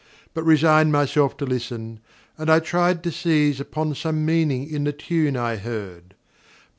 but resigned Myself to listen, and I tried to seize Upon some meaning in the tune I heard.